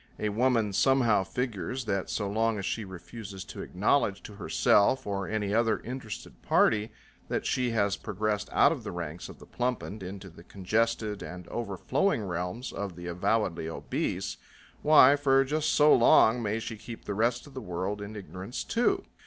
A woman somehow figures that so long as she refuses to acknowledge to herself or any other interested party that she has progressed out of the ranks of the plumpened into the congested and overflowing realms of the avowedly obese, why, for just so long may she keep the rest of the world in ignorance too.